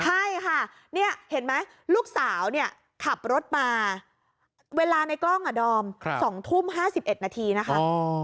ใช่ค่ะนี่เห็นไหมลูกสาวเนี่ยขับรถมาเวลาในกล้องดอม๒ทุ่ม๕๑นาทีนะคะ